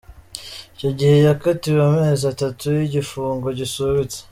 icyo gihe yakatiwe amezi atatu y’igifungo gisubitse.